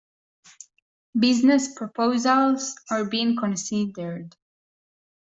Business proposals are being considered.